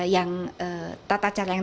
yang tata cara yang